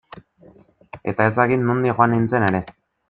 Eta ez dakit nondik joan nintzen ere.